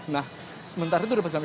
nah sementara itu dapat kami